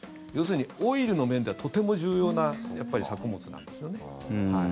要するに、オイルの面ではとても重要な作物なんですよね。